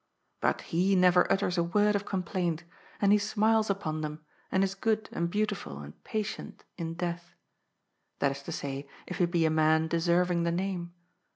But he neyer utters a word of complaint, and he smiles upon them, and is good and beautiful and patient in death. That is to say, if he be a man deserving the name.